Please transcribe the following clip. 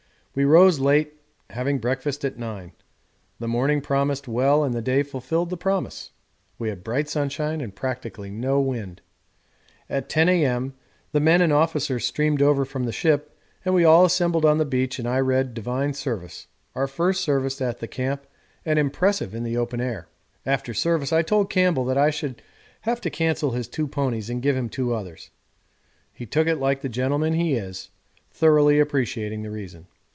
We rose late, having breakfast at nine. The morning promised well and the day fulfilled the promise: we had bright sunshine and practically no wind. At 10 A.M. the men and officers streamed over from the ship, and we all assembled on the beach and I read Divine Service, our first Service at the camp and impressive in the open air. After Service I told Campbell that I should have to cancel his two ponies and give him two others. He took it like the gentleman he is, thoroughly appreciating the reason.